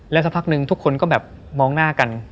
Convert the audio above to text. สักพักนึงทุกคนก็แบบมองหน้ากัน